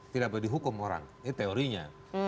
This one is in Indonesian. tidak boleh dihukum orang ini teorinya